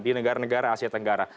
di negara negara asia tenggara